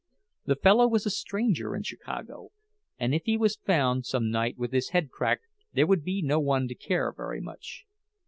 The fellow was a stranger in Chicago, and if he was found some night with his head cracked there would be no one to care very much.